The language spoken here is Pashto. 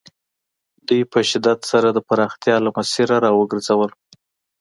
دوی په شدت سره د پراختیا له مسیره را وګرځول.